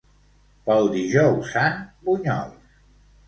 Pel Dijous Sant, bunyols.